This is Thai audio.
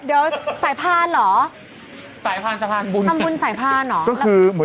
เดี๋ยวสายพานเหรอ